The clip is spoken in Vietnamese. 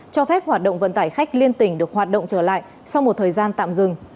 cho phép hoạt động vận tải khách liên tỉnh được hoạt động trở lại sau một thời gian tạm dừng